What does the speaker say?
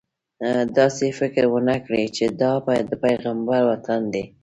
داسې فکر ونه کړې چې دا د پیغمبر وطن دی.